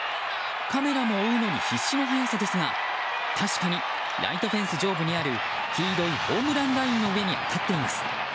カメラも追うのに必死の速さですが確かにライトフェンス上部にある黄色いホームランラインの上に当たっています。